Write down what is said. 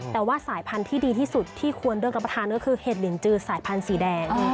แต่ว่าสายพันธุ์ที่ดีที่สุดที่ควรได้รับประทานก็คือเห็ดลินจือสายพันธุ์สีแดง